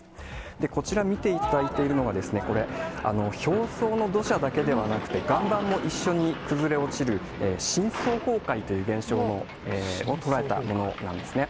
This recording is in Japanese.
で、こちら見ていただいているのが、これ、表層の土砂だけではなくて、岩盤も一緒に崩れ落ちる深層崩壊という現象を捉えたものなんですね。